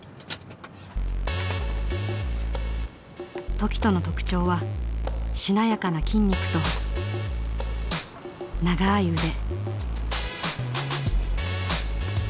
凱人の特徴はしなやかな筋肉と長い腕。